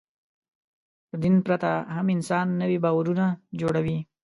د دین پرته هم انسان نوي باورونه جوړوي.